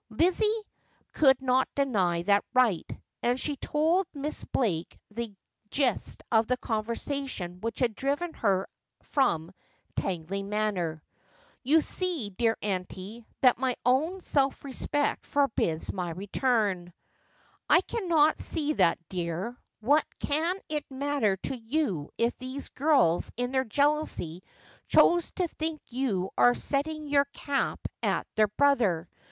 Lizzie could not deny that right, and she told Miss Blake the gist of th e conversation which had driven her from Tangley Manor. ' You see, dear auntie, that my own self respect forbids my return.' 332 Just as I Am. ' I cannot see that, dear. "What can it matter to you if these girls in their jealousy chose to think you are setting your cap at their brother